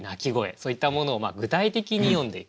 そういったものを具体的に詠んでいく。